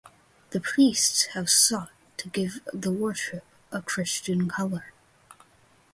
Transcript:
The priests have sought to give the worship a Christian color.